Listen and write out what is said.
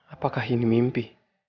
apakah ini mimpi